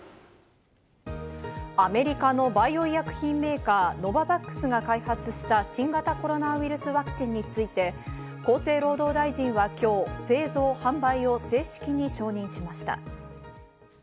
アメリカのバイオ医薬品メーカー、ノババックスが開発した新型コロナウイルスワクチンについて、厚生労働大臣は今日を製造・販売を正式に承認しました。